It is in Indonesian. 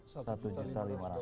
satu juta lima dua lima